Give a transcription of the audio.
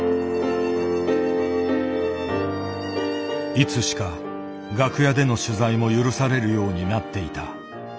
いつしか楽屋での取材も許されるようになっていた。